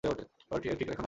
ওরা ঠিক ওখানে আছে।